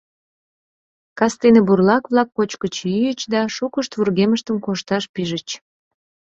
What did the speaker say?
Кастене бурлак-влак кочкыч-йӱыч да шукышт вургемыштым кошташ пижыч.